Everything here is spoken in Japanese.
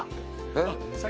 えっ？